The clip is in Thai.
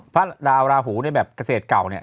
พระดาวราหูในแบบเกษตรเก่าเนี่ย